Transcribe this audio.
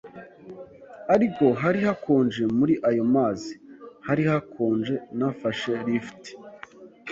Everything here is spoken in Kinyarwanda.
Ariko hari hakonje muri ayo mazi! Hari hakonje! Nafashe lift